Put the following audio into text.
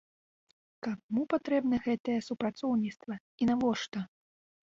Каму патрэбна гэтае супрацоўніцтва і навошта?